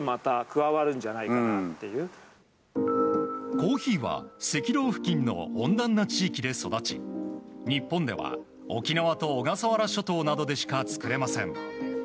コーヒーは赤道付近の温暖な地域で育ち日本では沖縄と小笠原諸島でしか作れません。